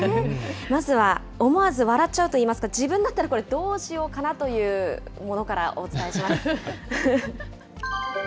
まずは思わず笑っちゃうといいますか、自分だったらこれ、どうしようかなというものからお伝えします。